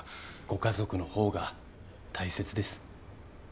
ご家族のほうが大切です。